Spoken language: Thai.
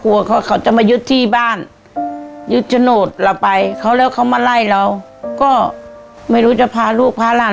เขาจะมายึดที่บ้านยึดโฉนดเราไปเขาแล้วเขามาไล่เราก็ไม่รู้จะพาลูกพาหลาน